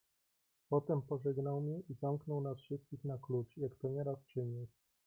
"Potem pożegnał mię i zamknął nas wszystkich na klucz, jak to nieraz czynił."